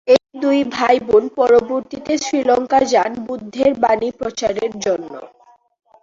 এই দুই ভাইবোন পরবর্তীতে শ্রীলঙ্কা যান বুদ্ধের বাণী প্রচারের জন্যে।